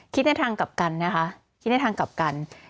คิดได้ทางกับกันนะคะ